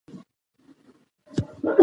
خو يوه ورځ نايله له دوی کره ځي